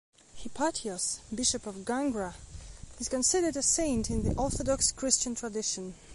Hypatios, bishop of Gangra, is considered a saint in the Orthodox Christian tradition.